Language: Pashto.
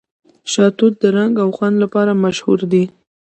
شاه توت د رنګ او خوند لپاره مشهور دی.